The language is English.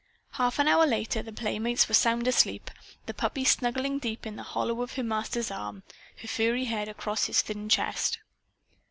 Half an hour later the playmates were sound asleep, the puppy snuggling deep in the hollow of her master's arm, her furry head across his thin chest.